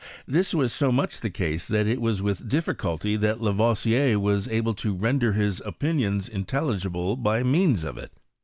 This was so much the case that it was with difficulty that Lavoisier was able to render his opinloDi intelligible by means of it.